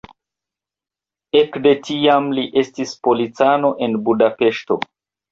Ekde tiam li estis policano en Budapeŝto.